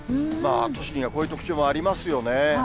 都市にはこういう特徴ありますよね。